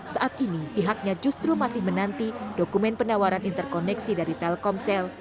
saat ini pihaknya justru masih menanti dokumen penawaran interkoneksi dari telkomsel